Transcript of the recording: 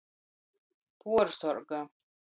Puorsorga.